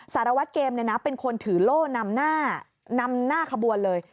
ศาลวัฒน์เกมเป็นคนถือโล่นำหน้าขบวนเลย